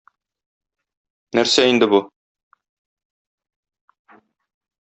Нәрсә инде бу?